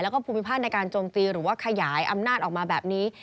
แล้วก็ภูมิภาคในการโจมตีหรือว่าขยายอำนาจออกมาแบบนี้